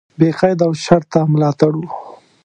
بې قید او شرطه ملاتړ و.